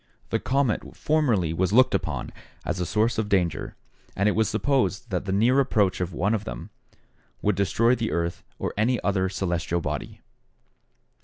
The comet formerly was looked upon as a source of danger, and it was supposed that the near approach of one of them would destroy the earth or any other celestial body.